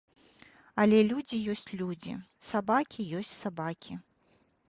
Але людзі ёсць людзі, сабакі ёсць сабакі.